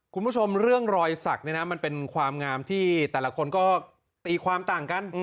คุณผู้ชมเรื่องรอยสักเนี่ยนะมันเป็นความงามที่แต่ละคนก็ตีความต่างกัน